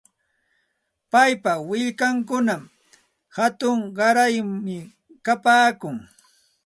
Paypa willkankunam hatun qaraymi kapaakun.